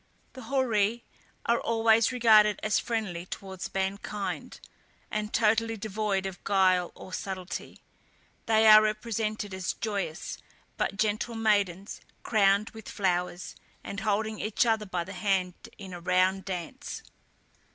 The Horæ are always regarded as friendly towards mankind, and totally devoid of guile or subtlety; they are represented as joyous, but gentle maidens, crowned with flowers, and holding each other by the hand in a round dance.